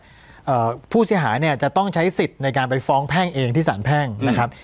อ่าผู้เสียหายเนี่ยจะต้องใช้สิทธิ์ในการไปฟ้องแพ่งเองที่สารแพ่งนะครับ